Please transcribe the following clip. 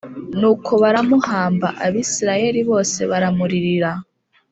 Nuko baramuhamba, Abisirayeli bose baramuririra